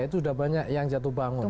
itu sudah banyak yang jatuh bangun